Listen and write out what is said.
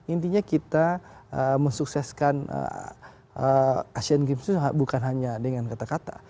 intinya kita mensukseskan asean games itu bukan hanya dengan kata kata